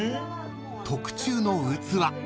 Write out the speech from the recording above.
［特注の器］